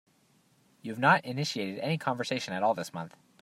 You have not initiated any conversation at all this month.